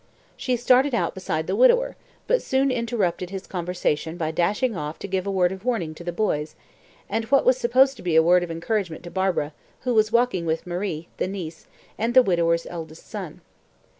She started out beside the widower, but soon interrupted his conversation by dashing off to give a word of warning to the boys, and what was supposed to be a word of encouragement to Barbara, who was walking with Marie, the niece, and the widower's eldest son.